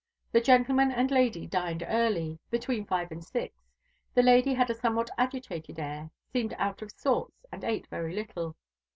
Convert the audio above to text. The gentleman and lady dined early, between five and six. The lady had a somewhat agitated air, seemed out of sorts, and ate very little.